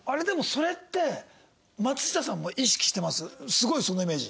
すごいそのイメージ。